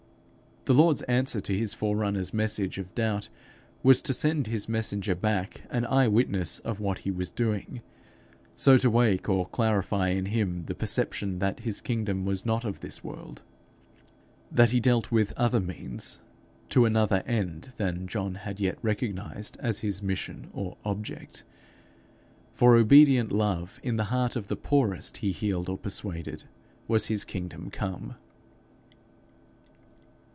The Lord's answer to his fore runner's message of doubt, was to send his messenger back an eye witness of what he was doing, so to wake or clarify in him the perception that his kingdom was not of this world that he dealt with other means to another end than John had yet recognized as his mission or object; for obedient love in the heart of the poorest he healed or persuaded, was his kingdom come.